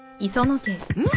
うん？